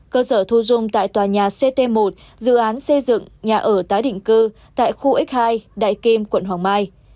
cơ sở thu dung tại tòa nhà ct một dự án xây dựng nhà ở tái định cư tại khu x hai đại kim quận hoàng mai